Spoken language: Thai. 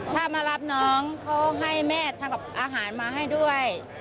ถ้ามารับน้องเขาให้แม่ทำกับอาหารมาให้ด้วย